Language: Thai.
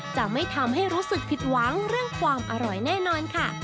จะไม่ทำให้รู้สึกผิดหวังเรื่องความอร่อยแน่นอนค่ะ